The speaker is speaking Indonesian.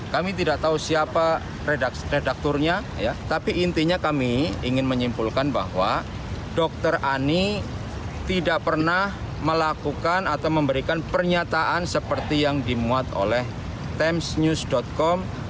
kami tidak tahu siapa redakturnya tapi intinya kami ingin menyimpulkan bahwa dr ani tidak pernah melakukan atau memberikan pernyataan seperti yang dimuat oleh timesnews com